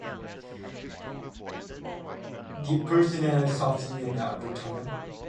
The pecten is a specialised structure in the avian retina.